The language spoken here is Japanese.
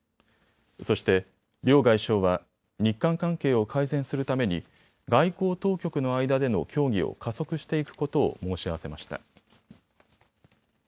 そして両外相は日韓関係を改善するために外交当局の間での協議を加速していくことを申し合わせました。